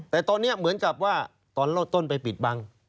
แต่ตอนนี้เหมือนกับว่าตอนต้นไปปิดบัง